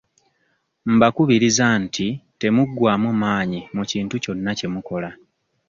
Mbakubiriza nti temuggwamu maanyi mu kintu kyonna kye mukola.